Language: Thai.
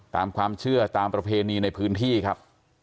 ตามความเชื่อตามประเพณีในพื้นที่ครับ